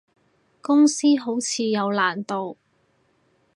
公司好似有難度